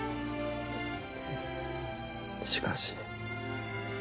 えしかし。